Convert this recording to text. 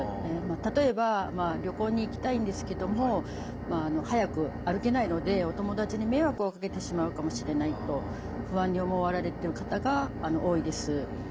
例えば「旅行に行きたいんですけども速く歩けないのでお友達に迷惑をかけてしまうかもしれない」と不安に思われてる方が多いです。